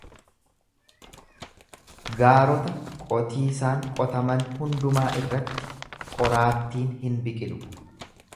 Gaarota qotiisaan qotaman hundumaa irratti qoraattiin hin biqilu.